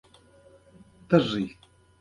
زړه د صادقو خبرو سره نرموالی پیدا کوي.